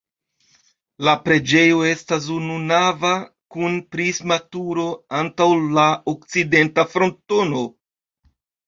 La preĝejo estas ununava kun prisma turo antaŭ la okcidenta frontono.